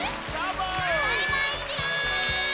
バイバイち！